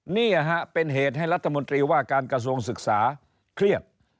นี่ฮะเป็นเหตุให้รัฐมนตรีว่าการกระทรวงศึกษาเครียด